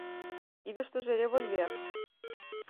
Кидыштыже револьвер.